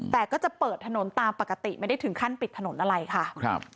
แต่ก็จะเปิดถนนตามปกติไม่ได้ถึงขั้นปิดถนนอะไรค่ะครับ